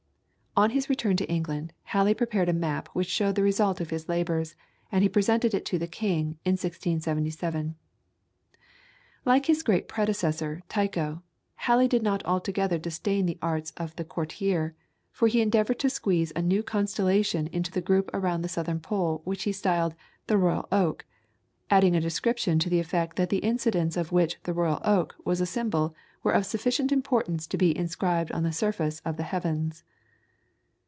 On his return to England, Halley prepared a map which showed the result of his labours, and he presented it to the king, in 1677. Like his great predecessor Tycho, Halley did not altogether disdain the arts of the courtier, for he endeavoured to squeeze a new constellation into the group around the southern pole which he styled "The Royal Oak," adding a description to the effect that the incidents of which "The Royal Oak" was a symbol were of sufficient importance to be inscribed on the surface of the heavens.